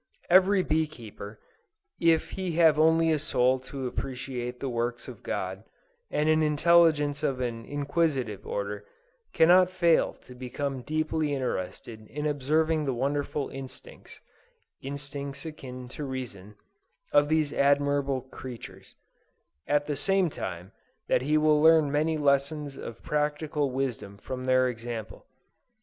"Every bee keeper, if he have only a soul to appreciate the works of God, and an intelligence of an inquisitive order, cannot fail to become deeply interested in observing the wonderful instincts, (instincts akin to reason,) of these admirable creatures; at the same time that he will learn many lessons of practical wisdom from their example.